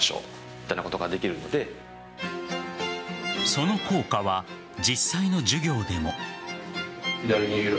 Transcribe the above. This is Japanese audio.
その効果は実際の授業でも。